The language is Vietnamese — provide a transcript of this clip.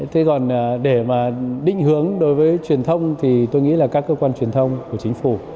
thế còn để mà định hướng đối với truyền thông thì tôi nghĩ là các cơ quan truyền thông của chính phủ